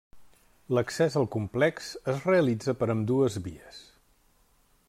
L'accés al complex es realitza per ambdues vies.